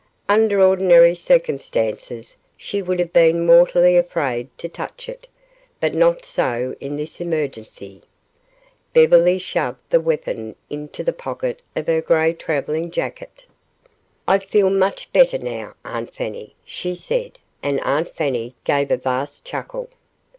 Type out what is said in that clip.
Under ordinary circumstances she would have been mortally afraid to touch it, but not so in this emergency. Beverly shoved the weapon into the pocket of her gray traveling jacket. "I feel much better now, Aunt Fanny," she said, and Aunt Fanny gave a vast chuckle.